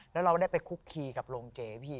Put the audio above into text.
แล้วเราได้ไปคุกคีกับโรงเจพี่